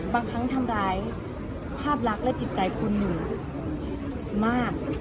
บางครั้งทำร้ายภาพลักษณ์และจิตใจคนหนึ่งมาก